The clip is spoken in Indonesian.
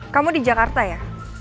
kamu di jakarta ya